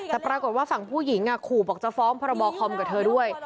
แต่ปรากฏว่าฝั่งผู้หญิงขู่บอกจะฟ้องพรบคอมกับเธอด้วย